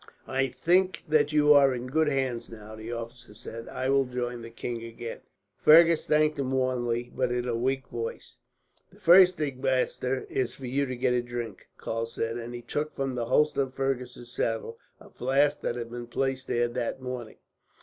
"I think that you are in good hands now," the officer said. "I will join the king again." Fergus thanked him warmly, but in a weak voice. "The first thing, master, is for you to get a drink," Karl said; and he took, from the holster of Fergus's saddle, a flask that he had placed there that morning.